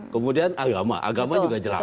kemudian agama agama juga jelas